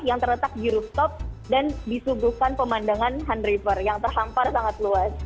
yang terletak di rooftop dan disubuhkan pemandangan han river yang terhampar sangat luas